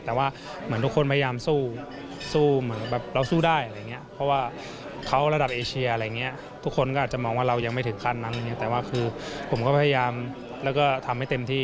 เขาระดับเอเชียอะไรอย่างนี้ทุกคนก็อาจจะมองว่าเรายังไม่ถึงคันนั้นแต่ว่าคือผมก็พยายามทำให้เต็มที่